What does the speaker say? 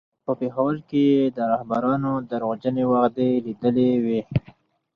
په پېښور کې یې د رهبرانو درواغجنې وعدې لیدلې وې.